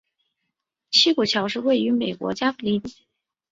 西谷桥是位于美国加利福尼亚州洛杉矶县的一个人口普查指定地区。